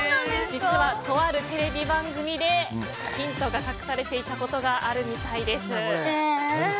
実はとあるテレビ番組でヒントが隠されていたことがあるみたいです。